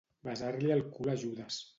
Besar-li el cul a Judes.